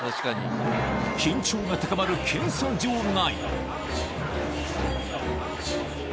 緊張が高まる検査場内